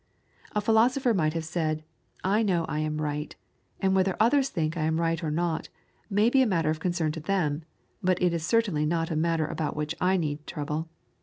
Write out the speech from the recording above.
A philosopher might have said, "I know I am right, and whether others think I am right or not may be a matter of concern to them, but it is certainly not a matter about which I need trouble.